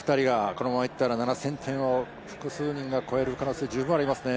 このままいったら７０００点を複数人を越える可能性は十分ありますね。